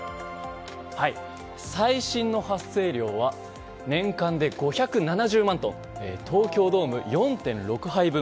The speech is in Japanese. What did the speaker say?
最新の発生量は年間で５７０万トン東京ドーム４．６杯分。